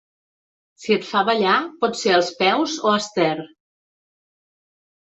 Si et fa ballar pot ser als peus o Astaire.